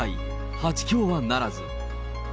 ８強はならず。